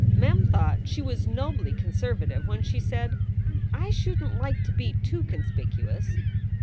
Mem thought she was nobly conservative when she said: "I shouldn t like to be too conspicuous."